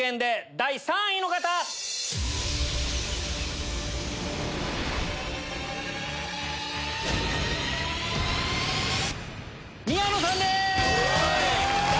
第３位宮野さんです！